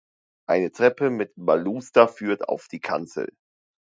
Eine Treppe mit Baluster führt auf die Kanzel.